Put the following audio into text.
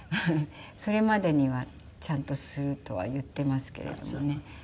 それまでにはちゃんとするとは言っていますけれどもね。